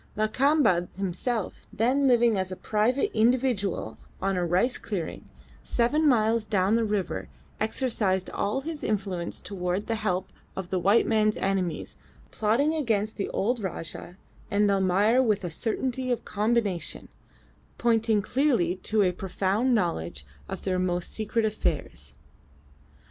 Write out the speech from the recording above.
Lakamba himself, then living as a private individual on a rice clearing, seven miles down the river, exercised all his influence towards the help of the white man's enemies, plotting against the old Rajah and Almayer with a certainty of combination, pointing clearly to a profound knowledge of their most secret affairs.